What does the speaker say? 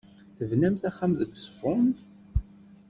Tebnamt axxam deg Uzeffun?